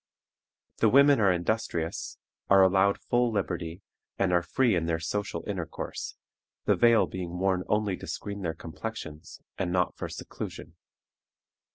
The women are industrious, are allowed full liberty, and are free in their social intercourse, the veil being worn only to screen their complexions, and not for seclusion.